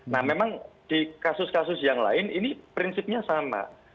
nah memang di kasus kasus yang lain ini prinsipnya sama